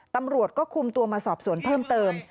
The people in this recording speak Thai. ตำรวจก็คุมตัวมาสอบสวนเพิ่มเติม